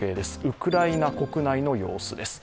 ウクライナ国内の様子です。